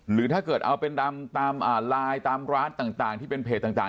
หรือถ้าเกิดเอาเป็นตามไลน์ตามร้านต่างที่เป็นเพจต่าง